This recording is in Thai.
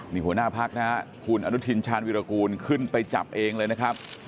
นี่หัวหน้าพักนะฮะคุณอนุทินชาญวิรากูลขึ้นไปจับเองเลยนะครับ